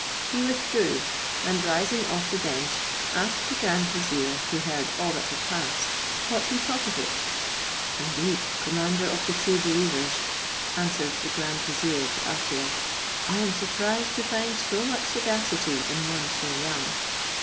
He withdrew, and rising off the bench, asked the grand vizier, who heard all that had passed, what he thought of it. "Indeed, commander of the true believers," answered the grand vizier Jaaffier, "I am surprised to find so much sagacity in one so young."